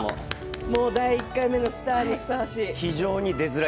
第１回目のスターにふさわしい。